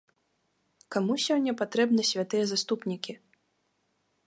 Каму сёння патрэбны святыя заступнікі?